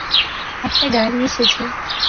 একটা গাড়ি এসেছে।